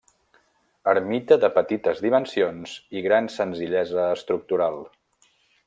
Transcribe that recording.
Ermita de petites dimensions i gran senzillesa estructural.